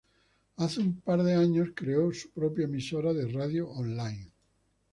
Hace un par de años creó su propia emisora de radio online.